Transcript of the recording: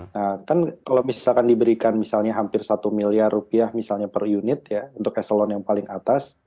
nah kan kalau misalkan diberikan misalnya hampir satu miliar rupiah misalnya per unit ya untuk eselon yang paling atas